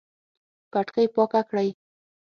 پټکی پاک کړئ